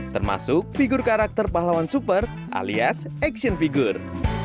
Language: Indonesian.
termasuk figur karakter pahlawan super alias action figure